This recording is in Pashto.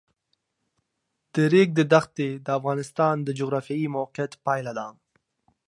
د ریګ دښتې د افغانستان د جغرافیایي موقیعت پایله ده.